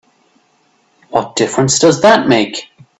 What difference does that make?